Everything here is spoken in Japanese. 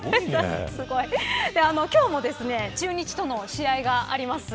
今日も中日との試合があります。